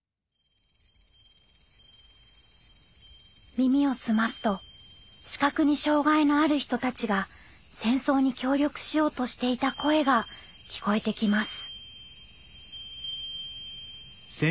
耳を澄ますと視覚に障害のある人たちが戦争に協力しようとしていた声が聴こえてきます。